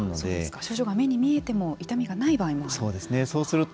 症状が目に見えても痛みがない場合もあると。